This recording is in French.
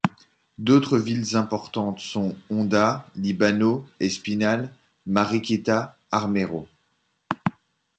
D'autres villes importantes sont Honda, Líbano, Espinal, Mariquita, Armero.